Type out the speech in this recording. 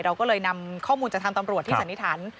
เราก็เลยนำข้อมูลจากทางตำรวจที่สันนิษฐาน